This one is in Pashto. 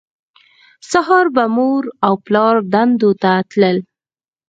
سهار به مور او پلار دندو ته تلل